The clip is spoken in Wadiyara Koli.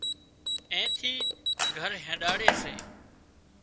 اين ٿي گھر هينڏاڙي سي